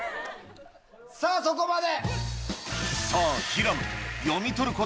さぁそこまで！